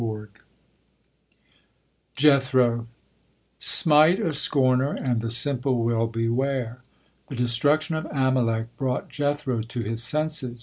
JETHRO "Smite a scorner, and the simple will beware." The destruction of Amalek brought Jethro to his senses.